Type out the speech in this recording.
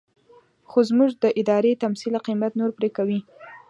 خو زموږ د ارادې تمثيل قيمت نور پرې کوي.